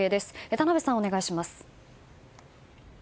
田辺さん、お願いします。